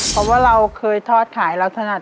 เพราะว่าเราเคยทอดขายลักษณะ